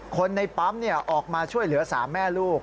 คนในปั๊มออกมาช่วยเหลือ๓แม่ลูก